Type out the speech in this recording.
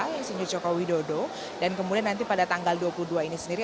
insinyur joko widodo dan kemudian nanti pada tanggal dua puluh dua ini sendiri